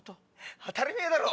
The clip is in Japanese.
当たりめぇだろ！